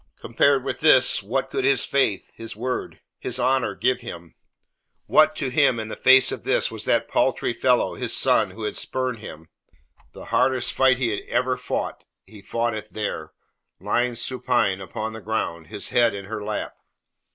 Compared with this what could his faith, his word, his honour give him? What to him, in the face of this, was that paltry fellow, his son, who had spurned him! The hardest fight he ever fought, he fought it there, lying supine upon the ground, his head in her lap.